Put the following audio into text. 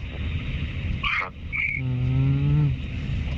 ครับ